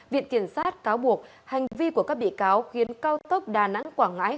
viện kiểm sát cáo buộc hành vi của các bị cáo khiến cao tốc đà nẵng quảng ngãi